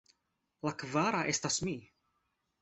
La kvara estas mi.